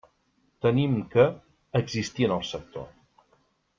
Tenim que «existir en el sector».